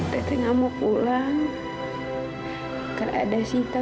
pertanyaan toma perhatian ayam nya